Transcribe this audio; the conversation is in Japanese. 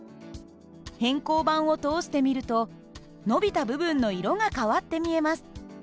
偏光板を通してみると伸びた部分の色が変わって見えます。